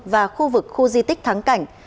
và khu vực khu di tích thắng cảnh